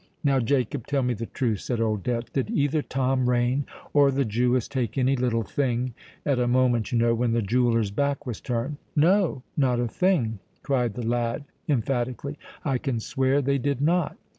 "Now, Jacob—tell me the truth," said Old Death: "did either Tom Rain or the Jewess take any little thing—at a moment, you know, when the jeweller's back was turned——" "No—not a thing!" cried the lad emphatically. "I can swear they did not."